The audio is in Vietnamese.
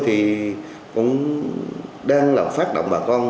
thì cũng đang là phát động bà con